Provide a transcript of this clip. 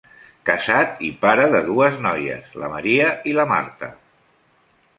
Casat i pare de dues noies, la Maria i la Marta.